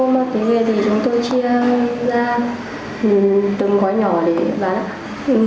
khi mua ma túy nghề thì chúng tôi chia ra từng khói nhỏ để bán